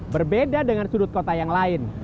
berbeda dengan sudut kota yang lain